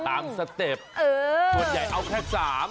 สเต็ปส่วนใหญ่เอาแค่๓